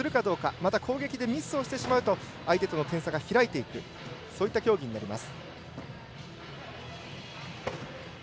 また攻撃でミスをしてしまうと相手との点差が開いていくそういった競技になります。